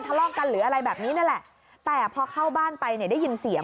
ทะเลาะกันหรืออะไรแบบนี้นั่นแหละแต่พอเข้าบ้านไปเนี่ยได้ยินเสียง